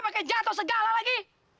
pake jatuh segala lagi